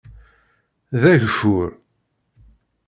D ageffur.